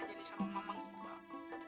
setelah ini aja sama mama ngikut ngikut